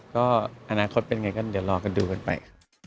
ก็อนาคตเป็นไงก็เดี๋ยวรอกันดูกันไป